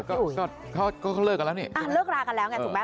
เออก็ก็เลิกกันแล้วนี่เลิกลากันแล้วไงถูกไหม